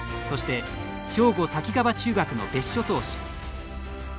そして兵庫・滝川中学の別所投手。